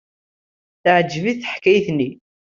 Teɛjeb-it teḥkayt-nni.